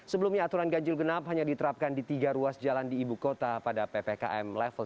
sebelumnya aturan ganjil genap hanya diterapkan di tiga ruas jalan di ibu kota pada ppkm level tiga